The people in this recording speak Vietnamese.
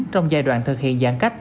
trong giai đoạn thực hiện giãn cách